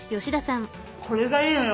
これがいいのよ